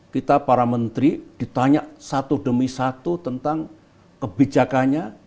kita para menteri ditanya satu demi satu tentang kebijakannya